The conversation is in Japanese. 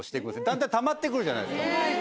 だんだんたまって来るじゃないですか。